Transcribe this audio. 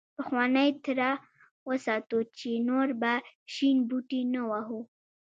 پخوانۍ تړه وساتو چې نور به شین بوټی نه وهو.